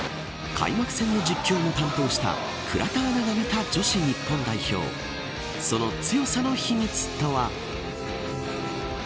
開幕戦の実況を担当した倉田アナが見た女子日本代表その強さの秘密とは。